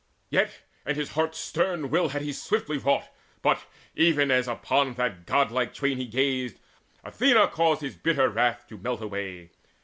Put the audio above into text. Yea, and his heart's stem will he had swiftly wrought, But, even as upon that godlike twain He gazed, Athena caused his bitter wrath To melt away.